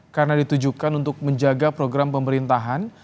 karena ditujukan untuk menjaga program pemerintahan